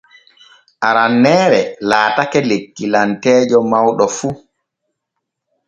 Aranneere laatake lekkilanteejo mawɗo fu.